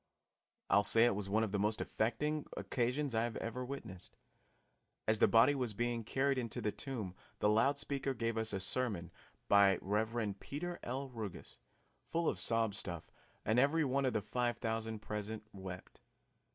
I'll say it was one of the most affecting occasions I have ever witnessed. As the body was being carried into the tomb the loud speaker gave us a sermon by Rev. Peter L. Ruggus, full of sob stuff, and every one of the five thousand present wept.